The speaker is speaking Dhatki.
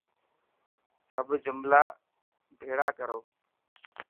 سب جملا ڀيٿڙا ڪرو.